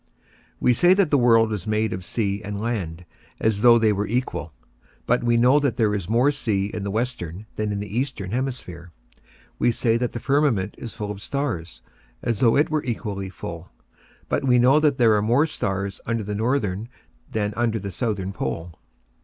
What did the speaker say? We say that the world is made of sea and land, as though they were equal; but we know that there is more sea in the Western than in the Eastern hemisphere. We say that the firmament is full of stars, as though it were equally full; but we know that there are more stars under the Northern than under the Southern pole.